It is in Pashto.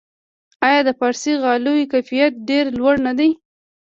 آیا د فارسي غالیو کیفیت ډیر لوړ نه دی؟